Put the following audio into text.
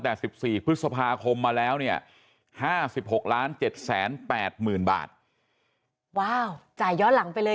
แต่๑๔พฤษภาคมมาแล้วเนี่ย๕๖ล้าน๗๘๐๐๐๐บาทว้าวจ่ายย้อนหลังไปเลย